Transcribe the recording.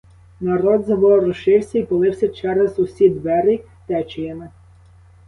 Народ заворушився й полився через усі двері течіями.